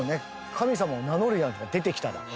神様を名乗るようなのが出てきたら。